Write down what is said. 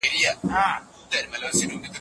که د ښاروالۍ پولیس فعال وي، نو سرغړونې نه ډیریږي.